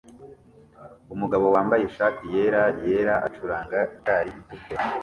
Umugabo wambaye ishati yera yera acuranga gitari itukura